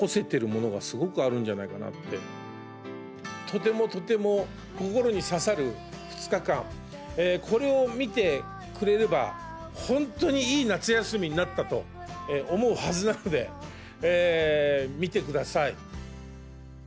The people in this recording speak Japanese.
とてもとても心に刺さる２日間これを見てくれれば本当にいい夏休みになったと思うはずなので見てください。